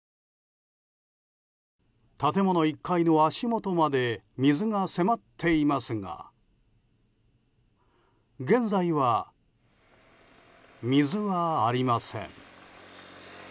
建物１階の足元まで水が迫っていますが現在は水がありません。